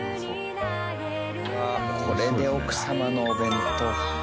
これで奥様のお弁当。